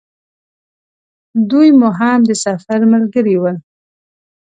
دوی مو هم د سفر ملګري ول.